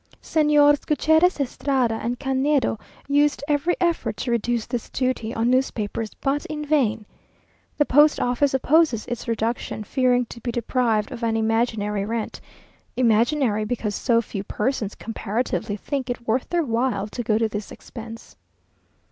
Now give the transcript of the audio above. Señors Gutierrez Estrada and Canedo used every effort to reduce this duty on newspapers, but in vain. The post office opposes its reduction, fearing to be deprived of an imaginary rent imaginary, because so few persons, comparatively, think it worth their while to go to this expense.